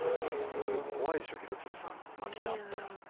怖いでしょう、廣津留さん街で会ったら。